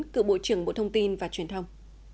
cựu bộ trưởng bộ thông tin và truyền thông